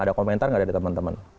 ada komentar gak dari teman teman